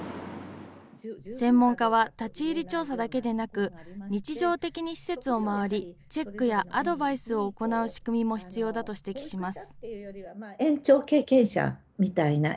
専門家は立ち入り調査だけでなく、日常的に施設を回り、チェックやアドバイスを行う仕組みも必要だと指摘します。